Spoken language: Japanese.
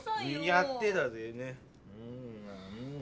やってだぜぇ。ね。